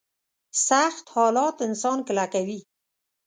سخت حالات انسان کلکوي.